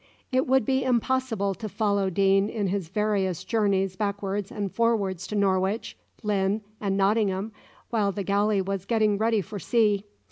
It would be impossible to follow Deane in his various journeys backwards and forwards to Norwich, Lynn, and Nottingham, while the galley was getting ready for sea.